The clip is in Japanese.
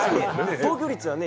防御率はね